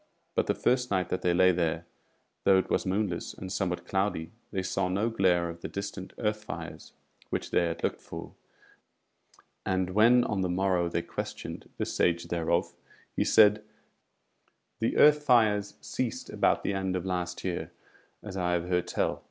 But the first night that they lay there, though it was moonless and somewhat cloudy, they saw no glare of the distant earth fires which they had looked for; and when on the morrow they questioned the Sage thereof, he said: "The Earth fires ceased about the end of last year, as I have heard tell.